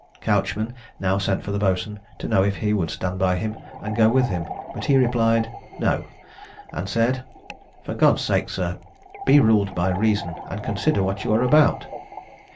Couchman now sent for the boatswain, to know if he would stand by him, and go with him; but he replied "No," and said, "For God's sake, sir, be ruled by reason, and consider what you are about."